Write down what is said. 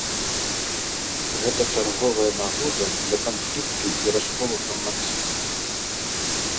Гэта чарговая нагода для канфлікту і расколу грамадства.